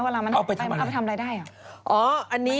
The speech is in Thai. เอาไปทำอะไรได้